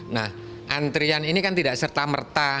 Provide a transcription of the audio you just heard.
nah antrian ini kan tidak serta merta